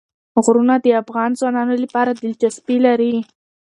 غرونه د افغان ځوانانو لپاره دلچسپي لري.